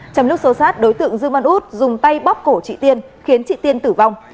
trong lúc xô sát đối tượng dương văn út dùng tay bóc cổ chị tiên khiến chị tiên tử vong